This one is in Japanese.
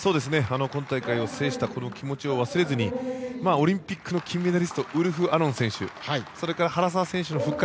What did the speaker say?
今大会を制した気持ちを忘れずにオリンピックの金メダリストウルフ・アロン選手それから原沢選手の復活。